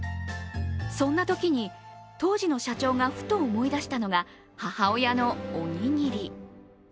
そんなときに、当時の社長がふと思い出したのが母親のおにぎり。